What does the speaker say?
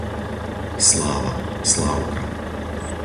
Sláva, Slávka